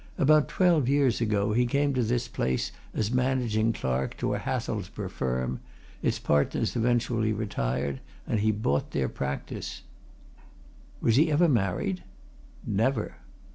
About twelve years ago he came to this place as managing clerk to a Hathelsborough firm; its partners eventually retired, and he bought their practice." "Was he ever married?" "Never!"